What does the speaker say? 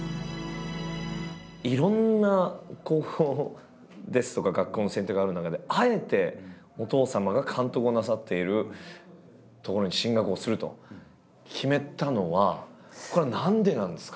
いろんな高校ですとか学校の選択がある中であえてお父様が監督をなさっている所に進学をすると決めたのはこれは何でなんですか？